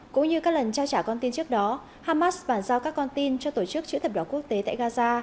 cũng như các lần trao trả con tin trước đó hamas bàn giao các con tin cho tổ chức chữ thập đỏ quốc tế tại gaza